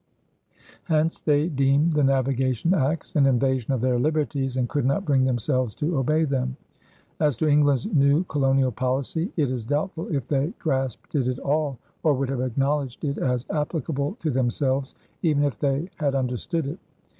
Hence they deemed the navigation acts an invasion of their liberties and could not bring themselves to obey them. As to England's new colonial policy, it is doubtful if they grasped it at all, or would have acknowledged it as applicable to themselves, even if they had understood it.